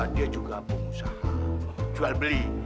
dia juga pengusaha jual beli